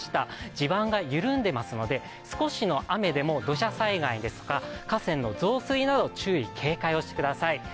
地盤が緩んでますので、少しの雨でも土砂災害ですとか河川の増水など注意・警戒をしてください。